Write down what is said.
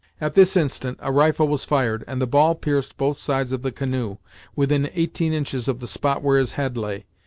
At this instant a rifle was fired, and the ball pierced both sides of the canoe, within eighteen inches of the spot where his head lay.